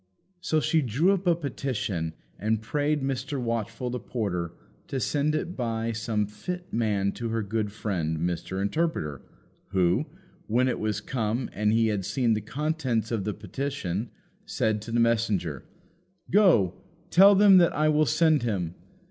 So she drew up a petition and prayed Mr. Watchful the porter to send it by some fit man to her good friend, Mr. Interpreter; who, when it was come and he had seen the contents of the petition, said to the messenger, "Go, tell them that I will send him."